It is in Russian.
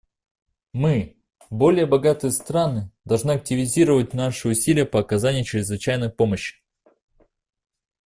Мы, более богатые страны, должны активизировать наши усилия по оказанию чрезвычайной помощи.